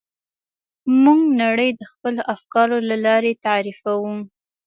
موږ نړۍ د خپلو افکارو له لارې تعریفوو.